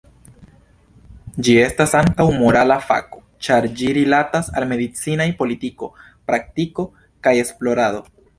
Ĝi estas ankaŭ morala fako ĉar ĝi rilatas al medicinaj politiko, praktiko, kaj esplorado.